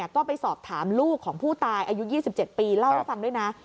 ก็ไปสอบถามลูกของผู้ตายอายุ๒๗ปีเล่าให้ฟังด้วยนะ